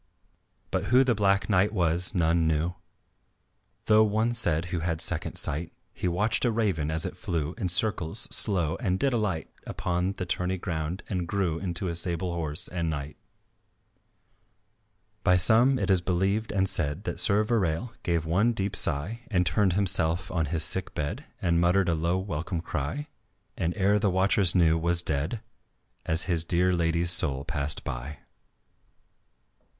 But who the Black Knight was none knew, Though one said who had second sight, He watched a raven as it flew In circles slow and did alight Upon the tourney ground and grew Into a sable horse and knight. By some, it is believed and said, That Sir Verale gave one deep sigh And turned himself on his sick bed And muttered a low welcome cry, And ere the watchers knew, was dead, As his dear lady's soul passed by.